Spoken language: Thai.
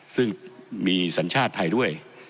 ซึ่งมีสัญชาติไทยด้วย